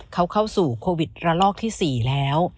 เข้าสู่โควิด๔แล้ว